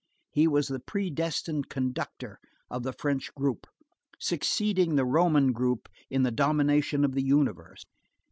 He was the predestined constructor of the French group, succeeding the Roman group in the domination of the universe.